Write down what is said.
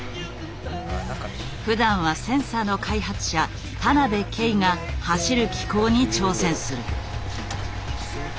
ふだんはセンサーの開発者田邊圭が走る機構に挑戦する。